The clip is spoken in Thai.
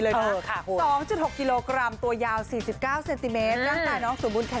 ลูกเขาเนี่ยชื่อเก๋มากชื่อว่าน้องวีจิ